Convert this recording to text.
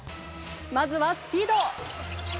まずはスピード。